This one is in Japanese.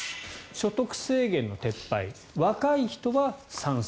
所得制限の撤廃若い人は賛成。